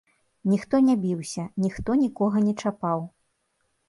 Ніхто не біўся, ніхто нікога не чапаў.